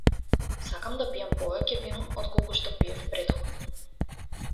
Сакам да пијам повеќе вино отколку што пиев претходно.